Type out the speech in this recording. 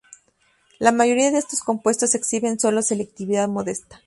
La mayoría de estos compuestos exhiben solo selectividad modesta.